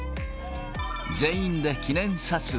全員で記念撮影。